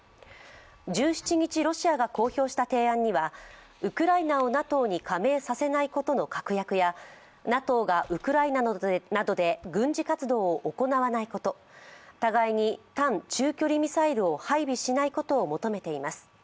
１７日、ロシアが公表した提案にはウクライナをＮＡＴＯに加盟させないことの確約や、ＮＡＴＯがウクライナなどで軍事活動を行わないこと、互いに短・中距離ミサイルを配備しないことを求めています。